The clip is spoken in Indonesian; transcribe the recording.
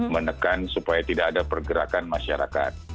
menekan supaya tidak ada pergerakan masyarakat